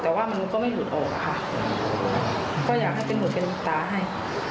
แต่ว่ามันก็ไม่หลุดออกค่ะก็อยากให้เป็นหูเป็นตาให้